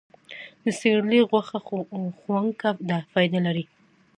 د سیرلي غوښه خونکه ده، فایده لري.